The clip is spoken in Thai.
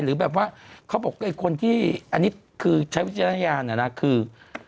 หรือแบบว่าเขาบอกไอ้คนที่อันนี้คือใช้วิจารณญาณนะคือ